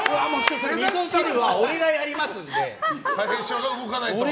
みそ汁は俺がやりますんでって。